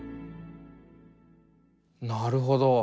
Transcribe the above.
なるほど。